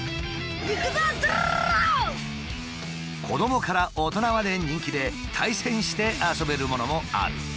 子どもから大人まで人気で対戦して遊べるものもある。